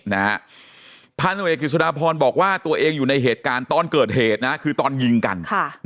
พันธ์ตำรวจเอกฤทศุลภาพรบอกว่าตัวเองอยู่ในเหตุการณ์ตอนเกิดเหตุคือตอนยิงกัน